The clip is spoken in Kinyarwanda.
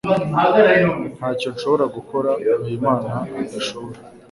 Ntacyo nshobora gukora Habimana adashobora.